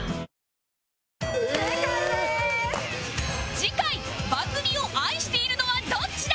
次回番組を愛しているのはどっちだ？